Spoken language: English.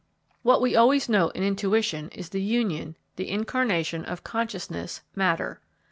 What we always note in intuition is the union, the incarnation of consciousness matter.